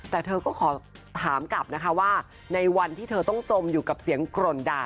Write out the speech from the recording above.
แต่เธอก็ขอถามกลับนะคะว่าในวันที่เธอต้องจมอยู่กับเสียงกร่นด่า